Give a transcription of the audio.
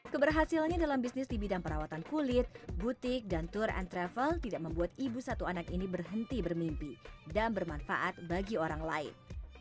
keberhasilannya dalam bisnis di bidang perawatan kulit butik dan tour and travel tidak membuat ibu satu anak ini berhenti bermimpi dan bermanfaat bagi orang lain